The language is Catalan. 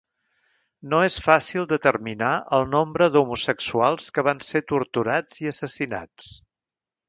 No és fàcil determinar el nombre d'homosexuals que van ser torturats i assassinats.